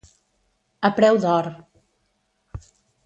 A preu d'or.